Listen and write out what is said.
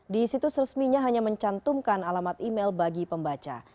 di situs resminya hanya mencantumkan alamat email bagi pembaca